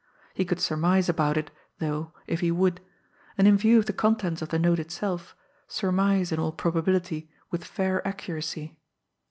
He could surmise about it, though, if he would; and, in view of the contents of the note itself, surmise, in all probability, with fair accuracy.